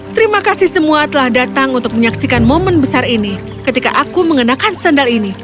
terima kasih semua telah datang untuk menyaksikan momen besar ini ketika aku mengenakan sandal ini